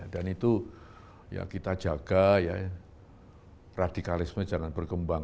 dan itu ya kita jaga ya radikalisme jangan berkembang